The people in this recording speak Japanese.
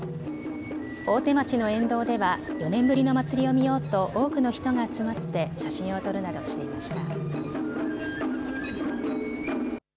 大手町の沿道では４年ぶりの祭りを見ようと多くの人が集まって写真を撮るなどしていました。